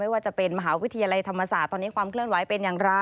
ว่าจะเป็นมหาวิทยาลัยธรรมศาสตร์ตอนนี้ความเคลื่อนไหวเป็นอย่างไร